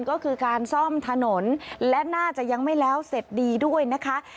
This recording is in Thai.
ก็คือการซ่อมถนนและน่าจะยังไม่แล้วเสร็จดีด้วยนะคะ